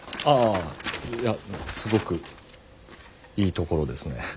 ああいやすごくいいところですね。